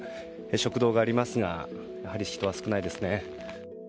食堂がありますがやはり人は少ないですね。